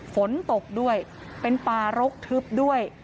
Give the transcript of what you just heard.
ฝนตกด้วยเป็นป่ารกทึบด้วย